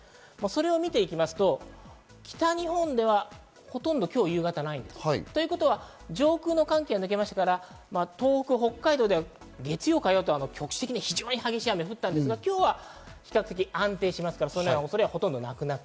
それを見ると、北日本ではほとんど今日、夕方ないんです。ということは上空の寒気は抜けましたから、東北、北海道では月曜、火曜と局地的に非常に激しい雨が降ったんですが、今日は比較的安定します。